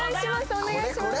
お願いします